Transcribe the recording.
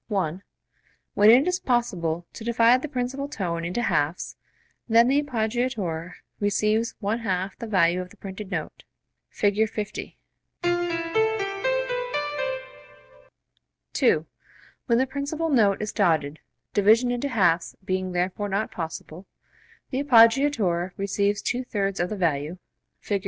(1) When it is possible to divide the principal tone into halves, then the appoggiatura receives one half the value of the printed note. (Fig. 50.) (2) When the principal note is dotted (division into halves being therefore not possible), the appoggiatura receives two thirds of the value. (Fig.